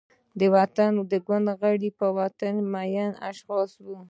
د وطن ګوند غړي، په وطن مین اشخاص وو.